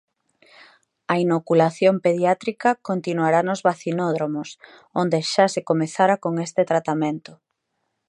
A inoculación pediátrica continuará nos vacinódromos, onde xa se comezara con este tratamento.